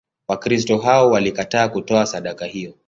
Wakristo hao walikataa kutoa sadaka hiyo.